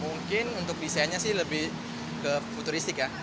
mungkin untuk desainnya sih lebih ke futuristik ya